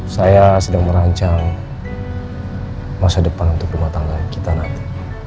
saya sedang merancang masa depan untuk rumah tangga kita nanti